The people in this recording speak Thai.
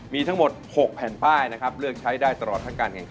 มีทั้งหมด๖แผ่นป้ายนะครับเลือกใช้ได้ตลอดทั้งการแข่งขัน